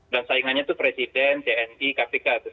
dan saingannya itu presiden tni kpk